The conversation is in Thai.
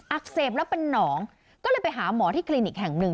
เสพแล้วเป็นหนองก็เลยไปหาหมอที่คลินิกแห่งหนึ่ง